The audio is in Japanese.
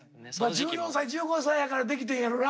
１４歳１５歳やからできてんやろな。